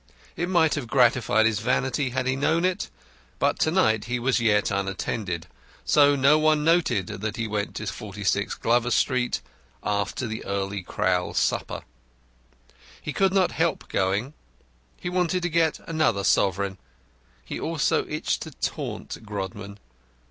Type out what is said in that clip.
It might have gratified his vanity had he known it. But to night he was yet unattended, so no one noted that he went to 46 Glover Street, after the early Crowl supper. He could not help going. He wanted to get another sovereign. He also itched to taunt Grodman.